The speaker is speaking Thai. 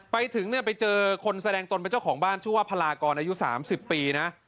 ไปถึงเนี่ยไปเจอคนแสดงตนเป็นเจ้าของบ้านชื่อว่าพลากรอายุ๓๐ปีนะ